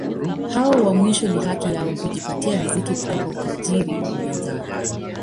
Hao wa mwisho ni haki yao kujipatia riziki kutoka utajiri wa wenzao.